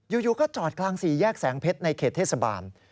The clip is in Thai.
อยู่ก็จอดกลางสี่แยกแสงเพชรในเขตเทศบาล